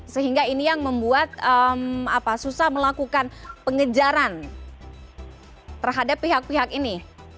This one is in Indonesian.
sehingga ini yang membuat susah melakukan pengejaran terhadap pihak pihak ini